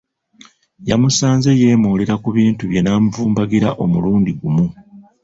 Yamusanze yeemoolera ku bintu bye n’amuvumbagira omulundi gumu.